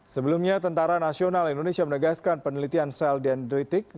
sebelumnya tentara nasional indonesia menegaskan penelitian sel dendritik